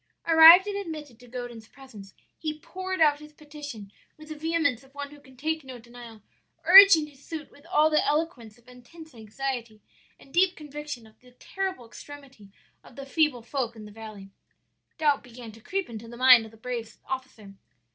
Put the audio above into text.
"Arrived and admitted to Godin's presence, he poured out his petition with the vehemence of one who can take no denial, urging his suit with all the eloquence of intense anxiety and deep conviction of the terrible extremity of the feeble folk in the valley. "Doubt began to creep into the mind of the brave officer.